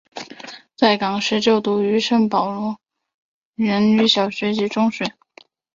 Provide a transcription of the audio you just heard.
在港时就读于圣保罗男女小学及中学。